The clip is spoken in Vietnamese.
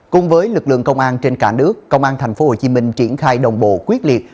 cùng với lực lượng công an trên cả nước công an tp hcm triển khai đồng bộ quyết liệt